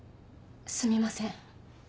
すみません。